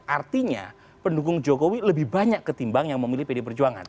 artinya pendukung jokowi lebih banyak ketimbang yang memilih pdi perjuangan